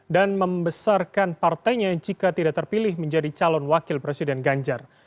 dan membesarkan partainya jika tidak terpilih menjadi calon wakil presiden ganjar